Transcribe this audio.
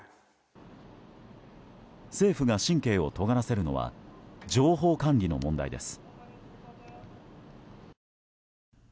政府が神経をとがらせるのは情報管理の問題です。